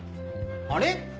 あれ？